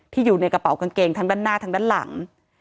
อยู่ในกระเป๋ากางเกงทั้งด้านหน้าทั้งด้านหลัง